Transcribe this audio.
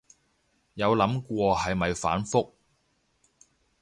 有諗過係咪反覆